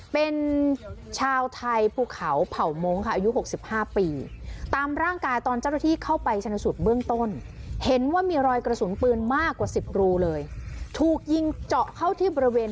เป็นชาวไทยภูเขาเผาโม้งค่ะอายุ๖๕ปี